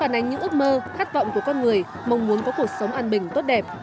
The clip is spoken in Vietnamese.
phản ánh những ước mơ khát vọng của con người mong muốn có cuộc sống an bình tốt đẹp